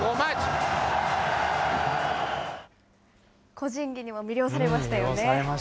個人技にも魅了されましたよね。